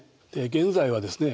現在はですね